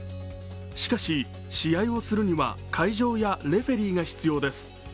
しかし、試合をするには会場やレフェリーが必要です。